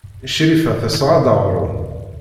Crifa tesɣa-d aɣrum.